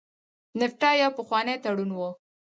نفټا یو پخوانی تړون و.